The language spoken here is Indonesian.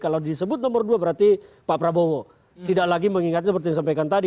kalau disebut nomor dua berarti pak prabowo tidak lagi mengingat seperti yang disampaikan tadi